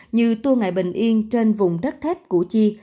như tour ngày bình yên trên vùng đất thép củ chi